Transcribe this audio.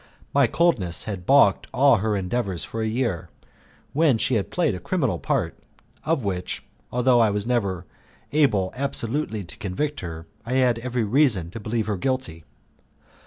My coldness had baulked all her endeavours for a year, when she played a criminal part, of which, though I was never able absolutely to convict her, I had every reason to believe her guilty.